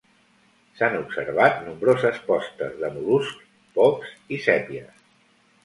S’han observat nombroses postes de mol·luscs, pops i sèpies.